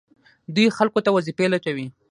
دوی خلکو ته وظیفې لټوي.